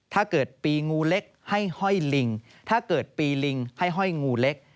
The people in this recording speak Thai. ถ้าเกิดปีงูเล็กให้ห้อยลิงถ้าเกิดปีลิงให้ห้อยงูเล็ก